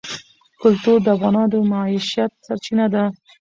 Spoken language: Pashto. کلتور د افغانانو د معیشت سرچینه ده.